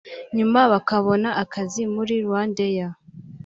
nyuma bakabona akazi muri RwandAir